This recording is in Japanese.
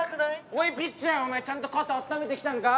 おいピッチャーお前ちゃんと肩あっためてきたんか？